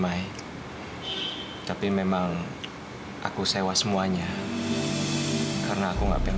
ya tapi kalo lu mau makan makan semua tak langsung makan